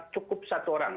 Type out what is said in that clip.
cukup satu orang